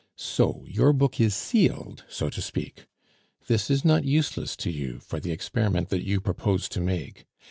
So your book is sealed, so to speak. This is not useless to you for the experiment that you propose to make.